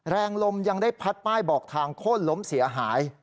แรงลมยังได้พัดป้ายบอกทางโค้นล้มเสียหาย